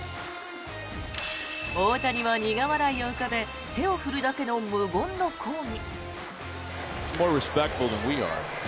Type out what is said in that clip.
大谷は苦笑いを浮かべ手を振るだけの無言の抗議。